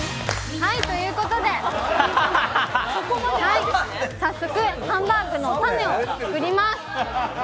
はい、ということで、早速ハンバーグのタネを作ります。